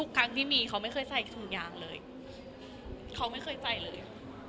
ครั้งที่มีเขาไม่เคยใส่ถุงยางเลยเขาไม่เคยใส่เลย